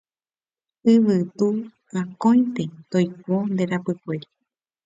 Yvytu akóinte toiko nde rapykuéri